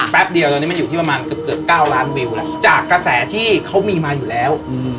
เดียวตอนนี้มันอยู่ที่ประมาณเกือบเกือบเก้าล้านวิวแล้วจากกระแสที่เขามีมาอยู่แล้ว